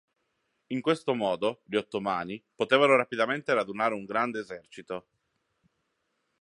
In questo modo, gli Ottomani potevano rapidamente radunare un grande esercito.